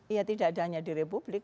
iya tidak ada hanya di republik